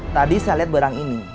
tadi saya lihat barang ini